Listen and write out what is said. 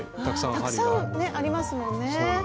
たくさんありますもんね。